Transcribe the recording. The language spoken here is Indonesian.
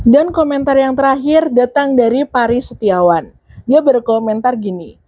dan komentar yang terakhir datang dari pari setiawan dia berkomentar gini